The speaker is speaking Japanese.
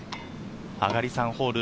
あがり３ホール。